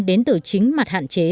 đến từ chính mặt hạn chế